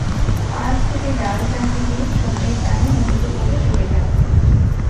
পাড় থেকে জাল টানতে গিয়ে স্রোতের টানে নদীতে পড়ে ডুবে যান তিনি।